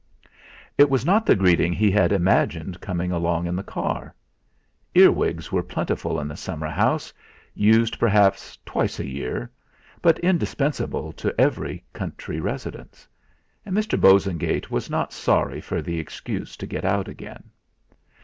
It was not the greeting he had imagined coming along in the car. Earwigs were plentiful in the summer house used perhaps twice a year, but indispensable to every country residence and Mr. Bosengate was not sorry for the excuse to get out again.